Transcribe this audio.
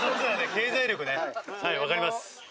経済力ねはいわかります